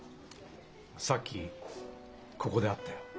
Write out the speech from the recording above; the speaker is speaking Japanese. さっきここで会ったよ。